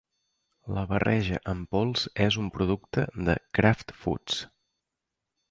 La barreja en pols és un producte de Kraft Foods.